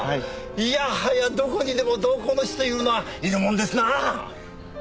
いやはやどこにでも同好の士というのはいるもんですなあ！